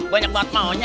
banyak buat maunya